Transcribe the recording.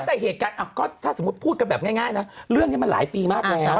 แต่เหตุการณ์ก็ถ้าสมมุติพูดกันแบบง่ายนะเรื่องนี้มันหลายปีมากแล้ว